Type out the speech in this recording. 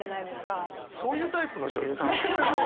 そういうタイプの女優さん？